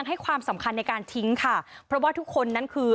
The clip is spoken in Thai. ให้ความสำคัญในการทิ้งค่ะเพราะว่าทุกคนนั้นคือ